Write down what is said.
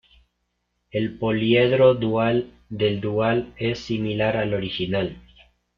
El poliedro dual del dual es similar al original.